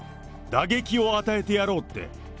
打撃を与えてやろうって。